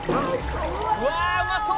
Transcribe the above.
「うわあうまそう！」